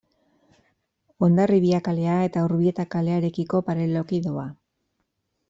Hondarribia kalea eta Urbieta kalearekiko paraleloki doa.